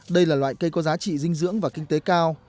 đây là loại cây có giá trị dinh dưỡng và kinh tế cao